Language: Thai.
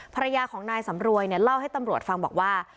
ภรรยาของนายสำรวยเนี่ยเล่าให้ตำรวจฟังบอกว่า